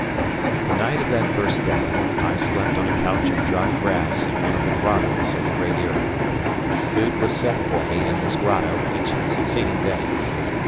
The night of that first day, I slept on a couch of dry grass in one of the grottoes of the Great Eyrie. Food was set for me in this grotto each succeeding day.